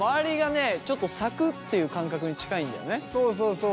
そうそうそう。